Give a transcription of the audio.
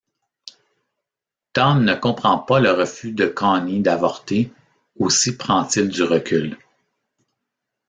Tom ne comprend pas le refus de Connie d'avorter, aussi prend-il du recul.